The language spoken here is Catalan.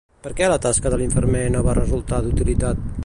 Per què la tasca de l'infermer no va resultar d'utilitat?